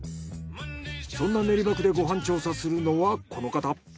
そんな練馬区でご飯調査するのはこの方。